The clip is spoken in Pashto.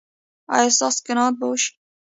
ایا ستاسو قناعت به وشي؟